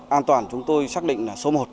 an toàn chúng tôi xác định là số một